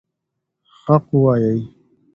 حق ووایئ.